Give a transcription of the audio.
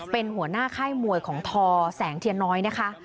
เป็นหัวหน้าค่ายมวยของทอแสงเทียนน้อยนะคะ